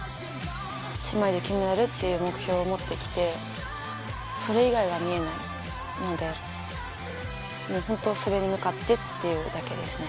姉妹で金メダルっていう目標を持ってきて、それ以外が見えないので、本当、それに向かってっていうだけですね。